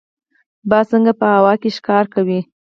باز څنګه په هوا کې ښکار کوي؟